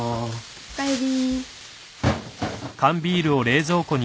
おかえり。